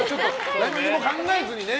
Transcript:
何も考えずにね。